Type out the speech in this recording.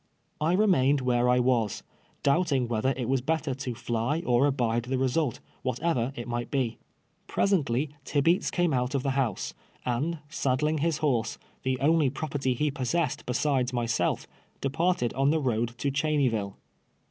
I remained where I was, doubting whether it was better to fiy or abide the result, whatever it might be. Presently Tibeats came out of the house, and, saddling his horse, the only property he possessed be sides mj'self, departed on the road to Chenyville.